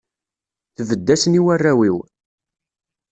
Tbedd-asen i warraw-iw.